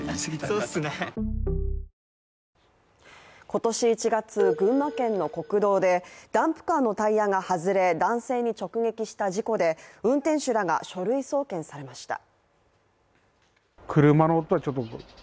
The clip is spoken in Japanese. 今年１月、群馬県の国道でダンプカーのタイヤが外れ男性に直撃した事故で運転手らが書類送検されました。